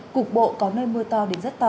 cục bộ có nơi mưa to đến rất to